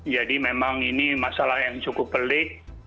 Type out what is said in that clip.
jadi memang ini masalah yang cukup pelik